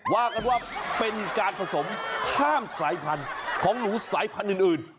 ว่ากันว่าเป็นการผสมข้ามสายพันธุ์ของหนูสายพันธุ์อื่น